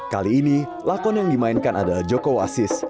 kali ini lakon yang dimainkan adalah joko wasis